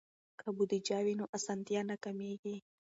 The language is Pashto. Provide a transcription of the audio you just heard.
که بودیجه وي نو اسانتیا نه کمېږي.